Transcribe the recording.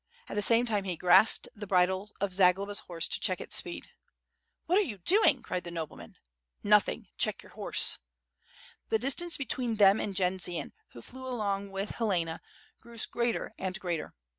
At the same time he grasped the bridle of Zagloba's horse to check its speed. "W^hat are you doing?" cried the nobleman. "Nothing, check your horsel" The distance between them and Jendzian, who flew along with Helena, grew greater and greater.